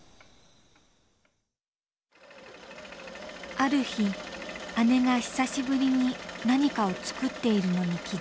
ある日姉が久しぶりに何かを作っているのに気付きました。